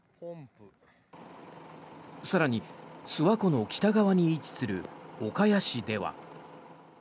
更に、諏訪湖の北側に位置する岡谷市では。